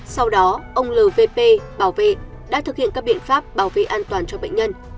sau đó ông lvp bảo vệ đã thực hiện các biện pháp bảo vệ an toàn cho bệnh nhân